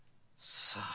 さあ。